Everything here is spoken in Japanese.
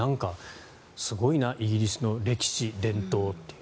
すごいな、イギリスの歴史・伝統っていう。